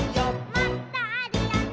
「もっとあるよね」